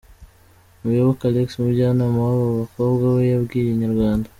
Muyoboke Alex umujyanama w’aba bakobwa we yabwiye Inyarwanda.